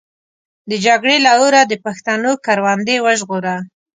د جګړې له اوره د پښتنو کروندې وژغوره.